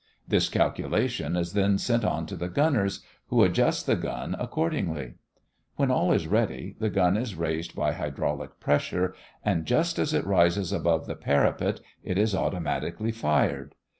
This calculation is then sent on to the gunners, who adjust the gun accordingly. When all is ready, the gun is raised by hydraulic pressure, and just as it rises above the parapet it is automatically fired.